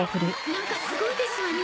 なんかすごいですわね。